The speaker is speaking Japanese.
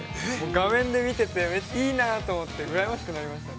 画面で見てて、いいなと思っていて、うらやましくなりました。